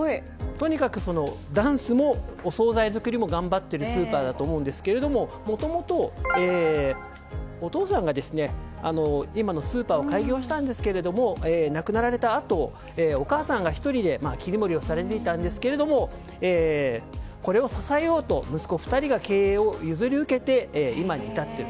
とにかくダンスもお総菜づくりも頑張っているスーパーだと思うんですけどもともと、お父さんが今のスーパーを開業したんですが亡くなられたあとお母さんが１人で切り盛りをされていたんですがこれを支えようと息子２人が経営を譲り受けて今に至っている。